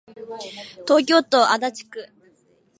東京都足立区